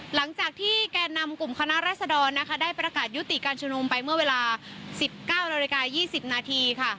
หลังจากที่แก่นำกลุ่มคณะรัศดรนะคะได้ประกาศยุติการชุมนุมไปเมื่อเวลา๑๙นาฬิกา๒๐นาทีค่ะ